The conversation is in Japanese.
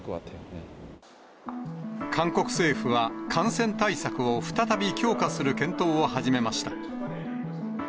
韓国政府は、感染対策を再び強化する検討を始めました。